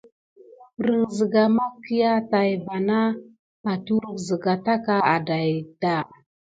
Prəŋ ziga mimakia tät van na paturu singa tákà aɗakiɗa.